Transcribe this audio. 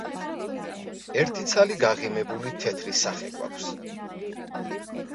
ერთი ცალი გაღიმებული თეთრი სახე გვაქვს.